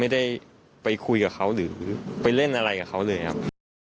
ไม่ได้ไปคุยกับเขาหรือไปเล่นอะไรกับเขาเลยครับ